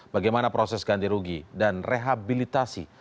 bagaimana proses ganti rugi dan rehabilitasi